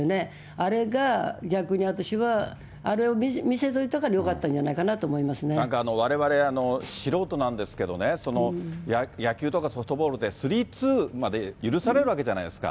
あれが、逆に私は、あれを見せといたからよかったんじゃないかななんかわれわれ素人なんですけどね、野球とか、ソフトボールでスリー、ツーまで許されるわけじゃないですか。